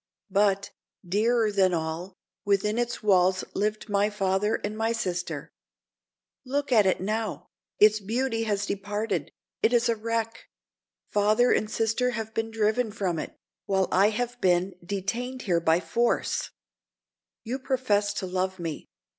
But, dearer than all, within its walls lived my father and my sister. Look at it now! Its beauty has departed—it is a wreck; father and sister have been driven from it, while I have been detained here by force. You profess to love me.